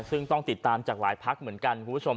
ซึ่งต้องติดตามจากหลายพักเหมือนกันคุณผู้ชม